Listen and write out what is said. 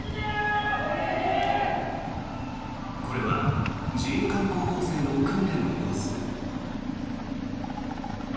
これは自衛官候補生の訓練の様子。